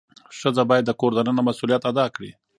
ښځه باید د کور دننه مسؤلیت ادا کړي.